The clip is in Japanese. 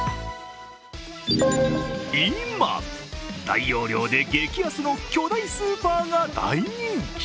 今、大容量で激安の巨大スーパーが大人気。